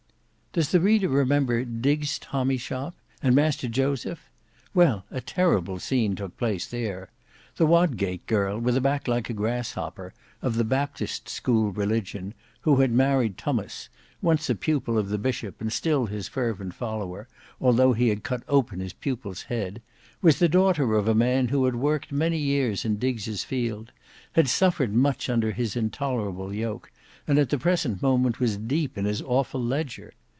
Does the reader remember Diggs' tommy shop? And Master Joseph? Well a terrible scene took place there. The Wodgate girl, with a back like a grasshopper, of the Baptist school religion, who had married Tummas, once a pupil of the Bishop and still his fervent follower, although he had cut open his pupil's head, was the daughter of a man who had worked many years in Diggs' field, had suffered much under his intolerable yoke, and at the present moment was deep in his awful ledger.